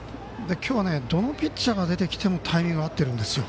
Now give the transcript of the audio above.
今日はどのピッチャーが出てきてもタイミングが合ってるんですよ。